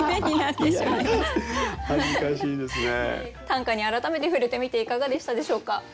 短歌に改めて触れてみていかがでしたでしょうか？